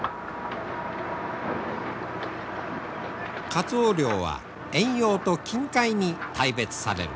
カツオ漁は遠洋と近海に大別される。